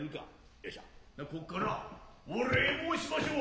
よっしゃこっからお礼申しましょう。